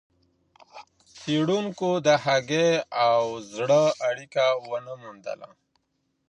څېړونکو د هګۍ او زړه اړیکه ونه موندله.